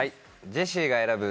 ジェシーが選ぶ